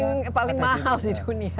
yang paling mahal di dunia